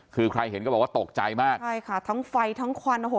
คือใครเห็นก็บอกว่าตกใจมากใช่ค่ะทั้งไฟทั้งควันโอ้โห